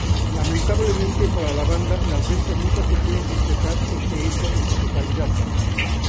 Lamentablemente para la banda, las ventas nunca supieron reflejar este hecho en su totalidad.